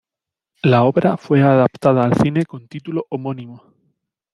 La obra fue adaptada al cine con título homónimo.